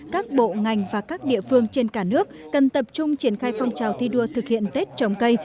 các bộ ngành và các địa phương trên cả nước cần tập trung triển khai phong trào thi đua thực hiện tết trồng cây